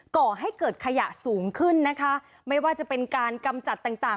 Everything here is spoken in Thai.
ก่อให้เกิดขยะสูงขึ้นนะคะไม่ว่าจะเป็นการกำจัดต่างต่าง